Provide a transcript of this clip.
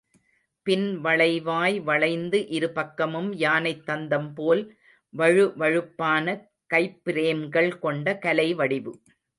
பின் வளைவாய் வளைந்து, இரு பக்கமும் யானைத்தந்தம் போல் வழுவழுப்பான கைப்பிரேம்கள் கொண்ட கலைவடிவு.